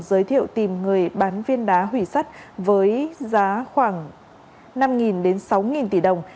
giới thiệu tìm người bán viên đá hủy sắt với giá khoảng năm đến sáu tỷ đồng